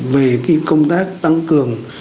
về công tác tăng cường